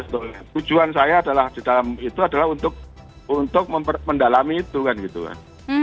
sebetulnya tujuan saya adalah di dalam itu adalah untuk mendalami itu kan gitu kan